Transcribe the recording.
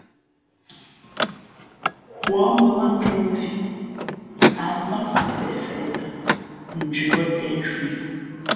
Huά mbᾱ mά ndū mvhī ǎ ndám sipeʼ feʼtα ndhʉ bᾱ těn nshu ī.